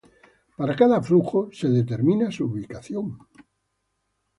Para cada flujo se determina su ubicación.